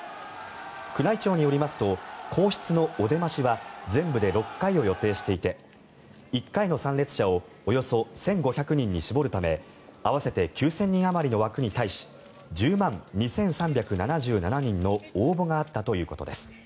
宮内庁によりますと皇室のお出ましは全部で６回を予定していて１回の参列者をおよそ１５００人に絞るため合わせて９０００人あまりの枠に対し１０万２３７７人の応募があったということです。